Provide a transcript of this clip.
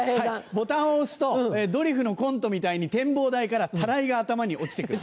ボタンを押すとドリフのコントみたいに展望台からたらいが頭に落ちて来る。